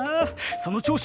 その調子！